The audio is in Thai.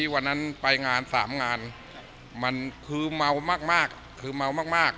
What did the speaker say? วันนั้นไปงาน๓งานมันคือเมามากคือเมามาก